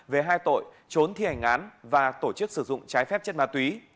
về hai tội trốn thi hành án và tổ chức sử dụng trái phép chất ma túy